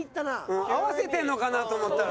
うん合わせてんのかなと思ったら。